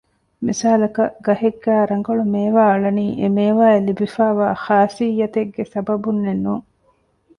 މިސާލަކަށް ގަހެއްގައި ރަނގަޅު މޭވާ އަޅަނީ އެ މޭވާ އަށް ލިބިފައިވާ ޚާޞިއްޔަތެއްގެ ސަބަބުންނެއް ނޫން